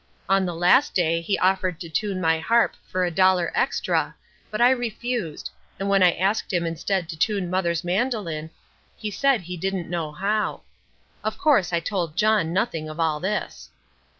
On the last day he offered to tune my harp for a dollar extra, but I refused, and when I asked him instead to tune Mother's mandoline he said he didn't know how. Of course I told John nothing of all this.